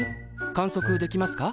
観測できますか？